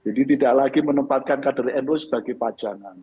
jadi tidak lagi menempatkan kader nu sebagai pajangan